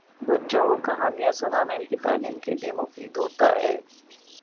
بچوں کو کہانیاں سنانا ان کی تعلیم کے لئے مفید ہوتا ہے۔